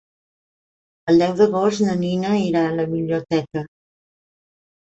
El deu d'agost na Nina irà a la biblioteca.